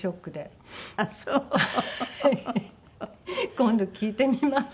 今度聞いてみます。